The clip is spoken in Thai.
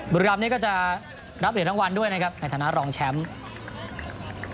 บริการ์มนี้ก็จะรับเหลือรางวัลด้วยนะครับในฐานะรองแชมป์